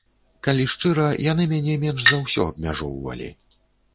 Калі шчыра, яны мяне менш за ўсё абмяжоўвалі.